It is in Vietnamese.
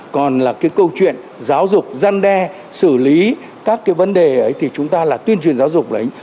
còn là cái câu chuyện giáo dục gian đe xử lý các cái vấn đề ấy thì chúng ta là tuyên truyền giáo dục đấy